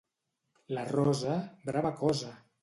La rosa, brava cosa!